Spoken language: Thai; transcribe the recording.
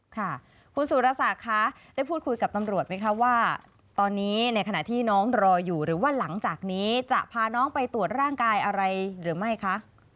ค่ะคุณสุรศักดิ์คะได้พูดคุยกับตำรวจไหมคะว่าตอนนี้ในขณะที่น้องรออยู่หรือว่าหลังจากนี้จะพาน้องไปตรวจร่างกายอะไรหรือไม่คะ